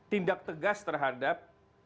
tindak tegas terhadap